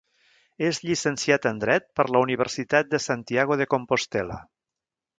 És llicenciat en Dret per la Universitat de Santiago de Compostel·la.